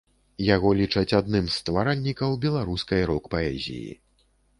Яго лічаць адным з стваральнікаў беларускай рок-паэзіі.